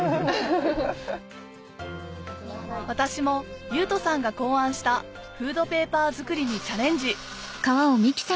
私も優翔さんが考案したフードペーパー作りにチャレンジ